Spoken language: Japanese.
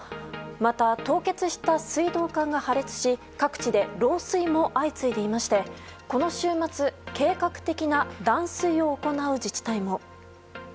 また、凍結した水道管が破裂し各地で漏水も相次いでいましてこの週末計画的な断水を行う自治体も。